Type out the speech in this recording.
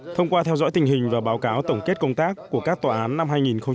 thông qua theo dõi tình hình và báo cáo tổng kết công tác của các tòa án năm hai nghìn một mươi chín